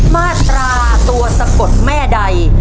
มาตราตัวสะกดแม่ใด